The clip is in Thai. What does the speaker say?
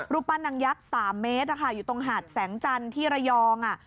ปั้นนางยักษ์๓เมตรอยู่ตรงหาดแสงจันทร์ที่ระยอง